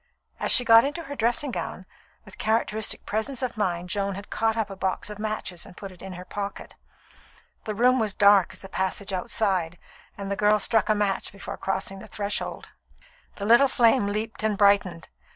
As she got into her dressing gown, with characteristic presence of mind Joan had caught up a box of matches and put it into her pocket. The room was as dark as the passage outside, and the girl struck a match before crossing the threshold. The little flame leaped and brightened.